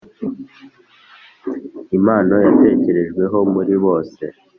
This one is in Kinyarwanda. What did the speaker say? impano yatekerejweho muri bose.